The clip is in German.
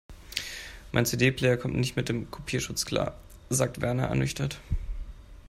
Mein CD-Player kommt nicht mit dem Kopierschutz klar, sagt Werner ernüchtert.